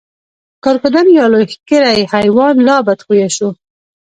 کرکدن یا لوی ښکری حیوان لا بدخویه شو.